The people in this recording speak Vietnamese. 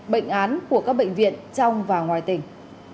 bệnh án của các bệnh viện trong và ngoài tỉnh